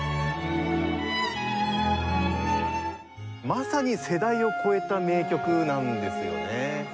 まさに世代を超えた名曲なんですよね。